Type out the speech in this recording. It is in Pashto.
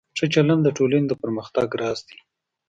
ښه چلند د ټولنې د پرمختګ راز دی.